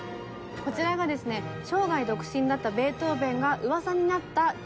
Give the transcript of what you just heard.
こちらがですね生涯独身だったベートーベンがうわさになった女性たち。